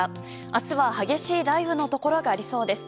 明日は激しい雷雨のところがありそうです。